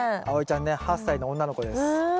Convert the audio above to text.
あおいちゃんね８歳の女の子です。